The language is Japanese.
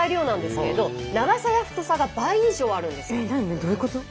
どういうこと？